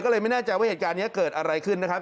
ก็เลยไม่แน่ใจว่าเหตุการณ์นี้เกิดอะไรขึ้นนะครับ